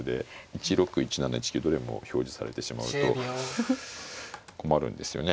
１六１七１九どれも表示されてしまうと困るんですよね。